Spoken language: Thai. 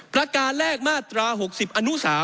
ประการแรกมาตรา๖๐อนุ๓